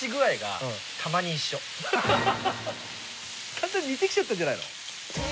完全に似てきちゃったんじゃないの？